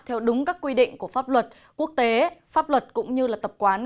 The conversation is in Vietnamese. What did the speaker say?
theo đúng các quy định của pháp luật quốc tế pháp luật cũng như là tập quán